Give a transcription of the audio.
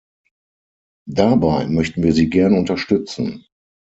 Dabei möchten wir Sie gern unterstützen.